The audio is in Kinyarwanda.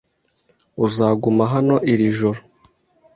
Uzaguma hano iri joro.